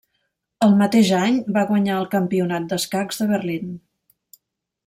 El mateix any, va guanyar el Campionat d'escacs de Berlín.